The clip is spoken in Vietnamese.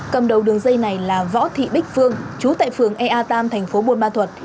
cầm đầu đường dây này là võ thị bích phương chú tại phường ea tam thành phố buôn ma thuật